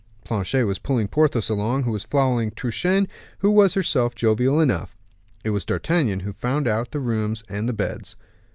Planchet was pulling Porthos along, who was following Truchen, who was herself jovial enough. It was D'Artagnan who found out the rooms and the beds.